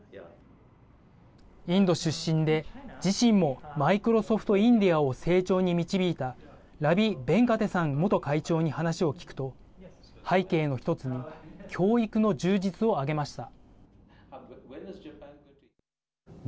インド出身で自身もマイクロソフト・インディアを成長に導いたラビ・ベンカテサン元会長に話を聞くと背景の一つに教育の充実を挙げました。